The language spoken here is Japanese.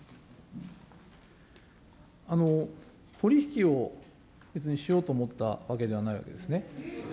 取り引きを別にしようと思ったわけではないわけですね。